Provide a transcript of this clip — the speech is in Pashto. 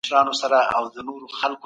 د وسواس سرسام